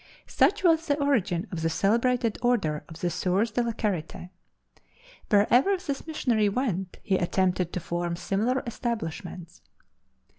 Such was the origin of the celebrated order of the Soeurs de la Charite. Wherever this missionary went he attempted to form similar establishments.